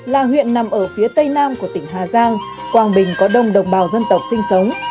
là huyện nằm ở phía tây nam của tỉnh hà giang quảng bình có đông đồng bào dân tộc sinh sống